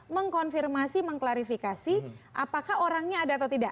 mengkonfirmasi mengklarifikasi apakah orangnya ada atau tidak